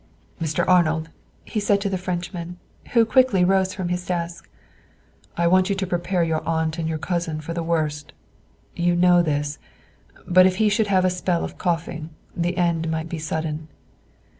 "Mr. Arnold," he said to the Frenchman, who quickly rose from his desk, "I want you to prepare your aunt and your cousin for the worst. You know this; but if he should have a spell of coughing, the end might be sudden."